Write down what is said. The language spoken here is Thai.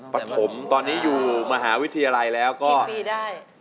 ปฐมตอนนี้อยู่มหาวิทยาลัยแล้วก็มีได้